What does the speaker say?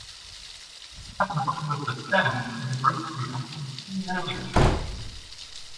At the bottom of the stairs were the grocery items seen earlier.